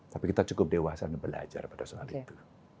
tapi kita cukup dewasa untuk belajar pada soal itu